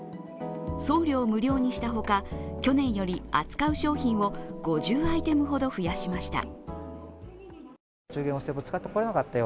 送料無料にしたほか、去年より扱う商品を５０アイテムほど増やしました。